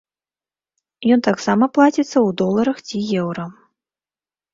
Ён таксама плаціцца ў доларах ці еўра.